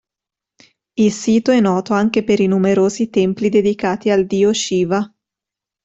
Il sito è noto anche per i numerosi templi dedicati al dio Shiva.